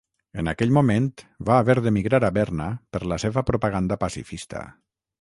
En aquell moment, va haver d'emigrar a Berna per la seva propaganda pacifista.